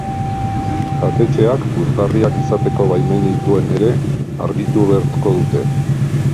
Jatetxeak puzgarriak izateko baimenik duen ere argitu beharko dute.